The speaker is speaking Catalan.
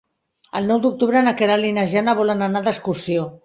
El nou d'octubre na Queralt i na Jana volen anar d'excursió.